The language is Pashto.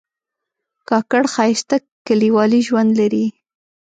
کاکړ ښایسته کلیوالي ژوند لري.